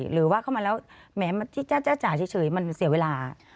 หรือว่าเข้ามาแล้วแม้ที่จ้าจ่าเฉยมันเสียเวลา